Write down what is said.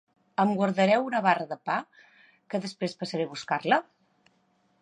Em guardareu una barra de pa, que després passaré a buscar-la?